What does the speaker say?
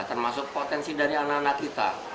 termasuk potensi dari anak anak kita